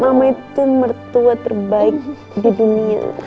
mama itu mertua terbaik di dunia